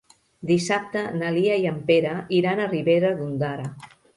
Dissabte na Lia i en Pere iran a Ribera d'Ondara.